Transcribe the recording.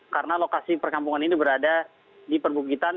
karena lokasi perkampungan ini berada di perbukitan